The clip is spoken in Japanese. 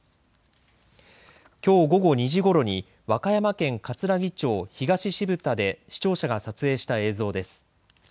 きょう午後２時ごろに和歌山県かつらぎ町東渋田で視聴者が撮影した映像です。